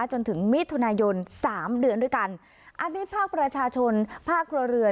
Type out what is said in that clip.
จนถึงมิถุนายนสามเดือนด้วยกันอันนี้ภาคประชาชนภาคครัวเรือน